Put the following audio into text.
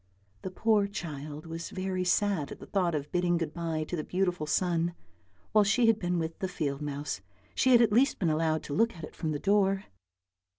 The poor child was very sad at the thought of bidding good bye to the beautiful sun ; while she had been with the field mouse she had at least been allowed to look at it from the door.